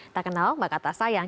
tak kenal maka tak sayang